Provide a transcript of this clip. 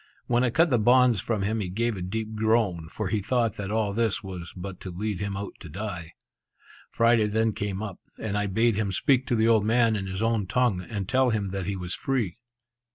When I cut the bonds from him he gave a deep groan, for he thought that all this was but to lead him out to die. Friday then came up, and I bade him speak to the old man in his own tongue, and tell him that he was free.